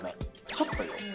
ちょっとよ。